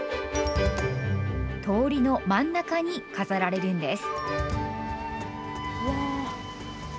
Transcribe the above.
通りの真ん中に飾られるんです。